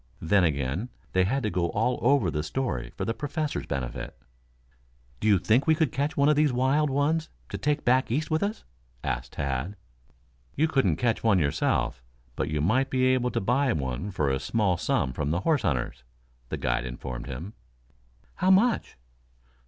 Then again, they had to go all over the story for the Professor's benefit. "Do you think we could catch one of these wild ones to take back East with us?" asked Tad. "You couldn't catch one yourself, but you might be able to buy one for a small sum from the horse hunters," the guide informed him. "How much?"